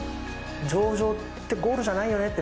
上場ってゴールじゃないよねって